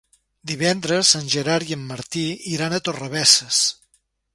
Divendres en Gerard i en Martí iran a Torrebesses.